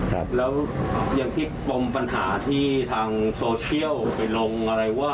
ครับแล้วอย่างที่ปมปัญหาที่ทางโซเชียลไปลงอะไรว่า